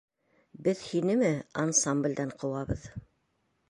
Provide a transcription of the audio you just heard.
Беҙ һинеме ансамблдән ҡыуабыҙ!